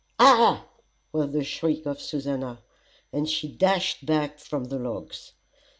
"Ah!" was the shriek of Susannah, as she dashed back from the logs.